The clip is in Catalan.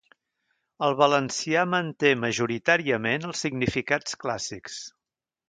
El valencià manté majoritàriament els significats clàssics.